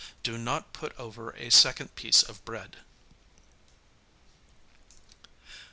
Do not put over a second piece of bread.